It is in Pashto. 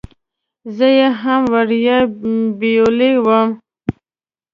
زه یې هم وړیا بیولې وم.